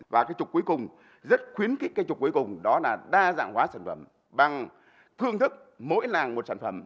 và trục cuối cùng rất khuyến khích trục cuối cùng đó là đa dạng hóa sản phẩm bằng thương thức mỗi làng một sản phẩm